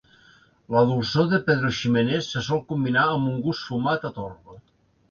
La dolçor de Pedro Ximénez se sol combinar amb un gust fumat a torba.